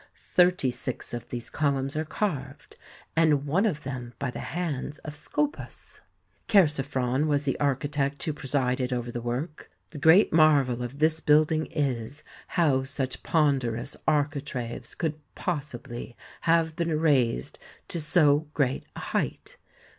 Thirty six of these columns are carved, and one of them by the hands of Scopas. Chersiphron was the architect who presided over the work. The great marvel of this building is, how such pon derous architraves could possibly have been raised to so great a height.